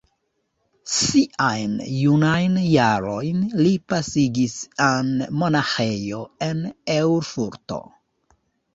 Siajn junajn jarojn li pasigis en monaĥejo en Erfurto.